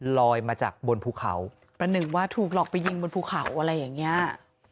ลอยมาจากบนภูเขาประหนึ่งว่าถูกหลอกไปยิงบนภูเขาอะไรอย่างเงี้ย